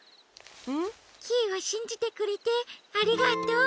んっ？キイをしんじてくれてありがとう。